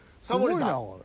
すごいなこれ。